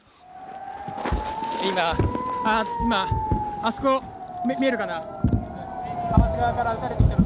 今、あそこ、見えるかな。